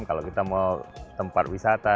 kalau kita mau tempat wisata